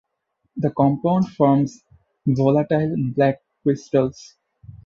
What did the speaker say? The compound forms volatile black crystals.